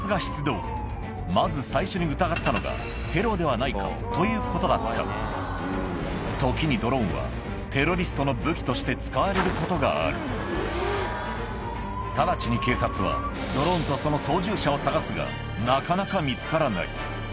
まず最初に疑ったのがテロではないか？ということだった時にドローンはテロリストの武器として使われることがある直ちに警察はがなかなか見つからないそして